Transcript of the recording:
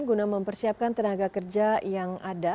guna mempersiapkan tenaga kerja yang ada